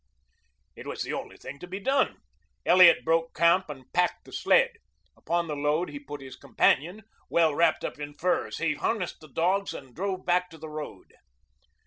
It was the only thing to be done. Elliot broke camp and packed the sled. Upon the load he put his companion, well wrapped up in furs. He harnessed the dogs and drove back to the road.